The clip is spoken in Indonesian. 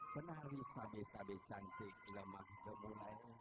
penari sabe sabe cantik lemah bermula